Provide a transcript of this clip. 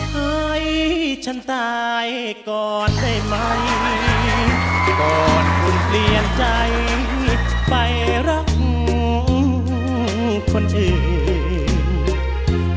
ให้ฉันตายก่อนได้ไหมก่อนคุณเปลี่ยนใจไปรักคนอื่น